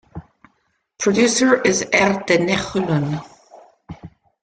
Producer is Erdenechulun.